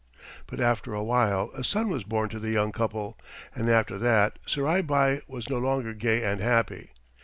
But after a while a son was born to the young couple, and after that Surai Bai was no longer gay and happy.